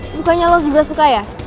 bukannya lo juga suka ya